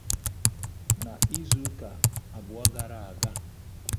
N’izu ụka abụọ gara aga